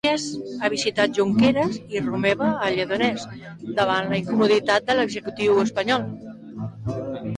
Iglesias ha visitat Junqueras i Romeva a Lledoners davant la incomoditat de l'Executiu espanyol.